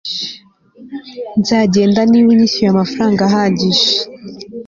Nzagenda niba unyishyuye amafaranga ahagije